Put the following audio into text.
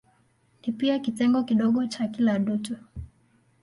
Ni pia kitengo kidogo cha kila dutu.